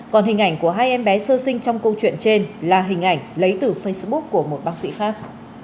còn hình ảnh của hai em bé sơ sinh trong câu chuyện trên là hình ảnh lấy từ facebook của một bác sĩ khác